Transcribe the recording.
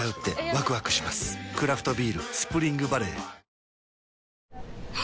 クラフトビール「スプリングバレー」あ！